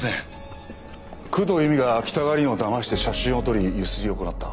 工藤由美が北川凛をだまして写真を撮り強請りを行った。